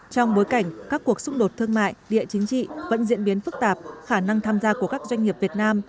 trong bối cảnh các cuộc xung đột thương mại địa chính trị vẫn diễn biến phức tạp khả năng tham gia của các doanh nghiệp việt nam